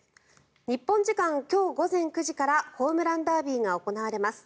日本時間今日午前９時からホームランダービーが行われます。